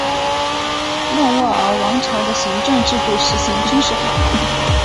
莫卧儿王朝的行政制度实行军事化。